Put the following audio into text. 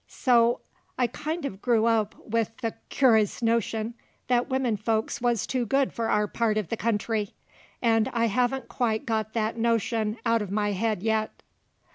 So I kind uv growed up with the curi's notion that wimmin folks wuz too good for our part uv the country, 'nd I hevn't quite got that notion out'n my head yet.